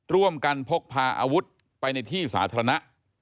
ร่วมกันพกพาอาวุธไปในที่สาธารณะ